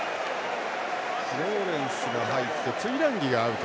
ローレンスが入ってトゥイランギがアウト。